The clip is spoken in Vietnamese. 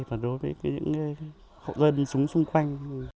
và đối với những hậu dân súng xung quanh